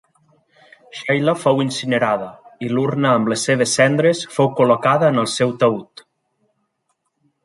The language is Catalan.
Sheila fou incinerada, i l'urna amb les seves cendres fou col·locada en el seu taüt.